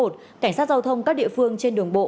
cảnh sát giao thông các địa phương trên đường bộ